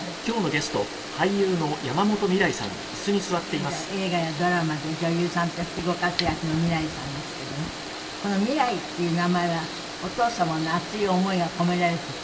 現在映画やドラマで女優さんとしてご活躍の未來さんですけどもこの「未來」っていう名前はお父様の熱い思いが込められている？